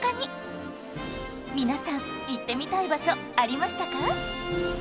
皆さん行ってみたい場所ありましたか？